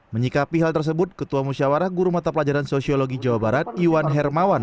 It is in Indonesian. menyikapi hal tersebut ketua musyawarah guru mata pelajaran sosiologi jawa barat iwan hermawan